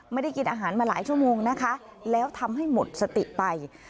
ไม่ได้กินอาหารมาหลายชั่วโมงนะคะแล้วทำให้หมดสติไป